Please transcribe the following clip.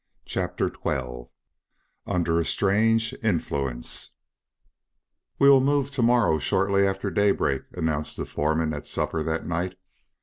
CHAPTER XII UNDER A STRANGE INFLUENCE "We will move to morrow shortly after daybreak," announced the foreman at supper that night.